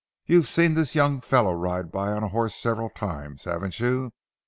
You've seen this young fellow ride by on a horse several times, haven't you?